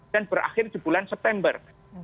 dan berakhir di bulan september